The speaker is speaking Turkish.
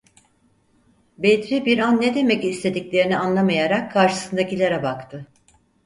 Bedri bir an ne demek istediklerini anlamayarak karşısındakilere baktı.